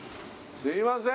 すいません